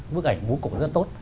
bức ảnh vũ cục rất tốt